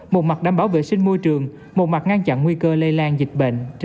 một mặt đảm bảo vệ sinh môi trường một mặt ngăn chặn nguy cơ lây lan dịch bệnh ra bên ngoài